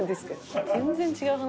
全然違う話。